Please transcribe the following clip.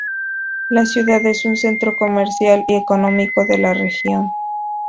La ciudad es un centro comercial y económico de la región.